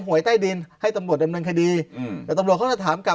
หวยใต้ดินให้ตำรวจดำเนินคดีอืมแต่ตำรวจเขาจะถามกลับ